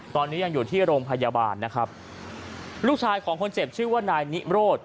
ตอนนี้ยังอยู่ที่โรงพยาบาลนะครับลูกชายของคนเจ็บชื่อว่านายนิโรธ